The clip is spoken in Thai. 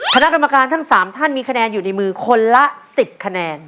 คณะกรรมการทั้ง๓ท่านมีคะแนนอยู่ในมือคนละ๑๐คะแนน